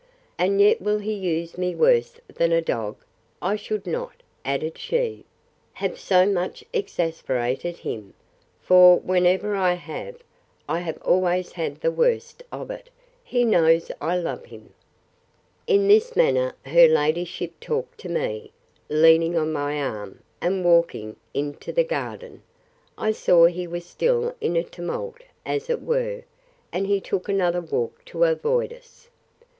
And yet will he use me worse than a dog!—I should not, added she, have so much exasperated him: for, whenever I have, I have always had the worst of it. He knows I love him! In this manner her ladyship talked to me, leaning on my arm, and walking into the garden. I saw he was still in a tumult, as it were; and he took another walk to avoid us.